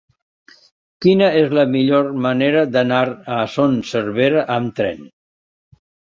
Quina és la millor manera d'anar a Son Servera amb tren?